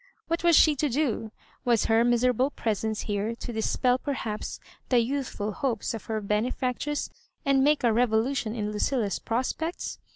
What was she to do ?— was her miserable presence here to dis pel perhaps the youthful hopes of her benefac tress, and make a revolution in Lucilla's pros pects?